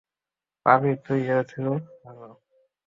পাভি, তুই এর থেকে ভালো।